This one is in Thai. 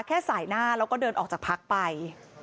แค่สายหน้าแล้วก็เดินออกจากพักไป